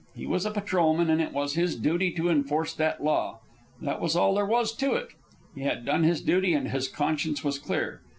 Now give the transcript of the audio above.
He was a patrolman, and it was his duty to enforce that law. That was all there was to it. He had done his duty, and his conscience was clear.